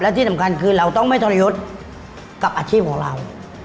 ที่สำคัญคือเราต้องไม่ทรยศกับอาชีพของเรา